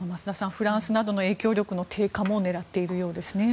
フランスなどの影響力の低下も狙っているようですね。